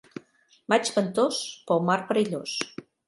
Maig ventós, pel mar perillós.